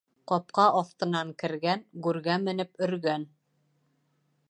Ҡапҡа аҫтынан кергән, гүргә менеп өргән.